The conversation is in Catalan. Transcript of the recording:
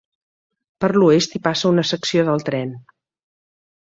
Per l'oest hi passa una secció del tren.